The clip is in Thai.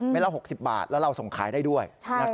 ไม่ละ๖๐บาทเราส่งขายได้ด้วย